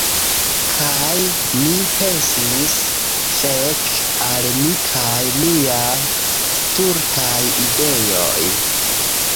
Kaj mi pensis: "Fek al mi kaj miaj stultaj ideoj!"